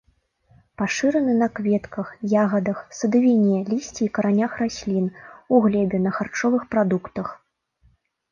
Пашыраны на кветках, ягадах, садавіне, лісці і каранях раслін, у глебе, на харчовых прадуктах.